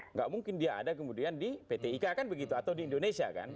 nggak mungkin dia ada kemudian di pt ika kan begitu atau di indonesia kan